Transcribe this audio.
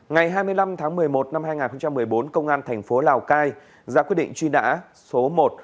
ngày hai mươi năm tháng một mươi một năm hai nghìn một mươi bốn công an thành phố lào cai ra quyết định truy nã số một